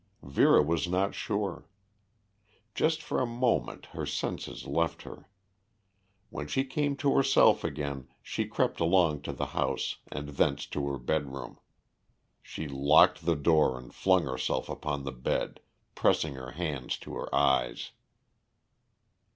Vera was not sure. Just for a brief moment her senses left her. When she came to herself again she crept along to the house and thence to her bedroom. She locked the door and flung herself upon the bed, pressing her hands to her eyes.